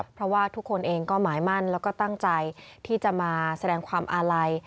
เพราะว่าทุกคนเองก็หมายมั่นแล้วก็ตั้งใจที่จะมาแสดงความอาลัย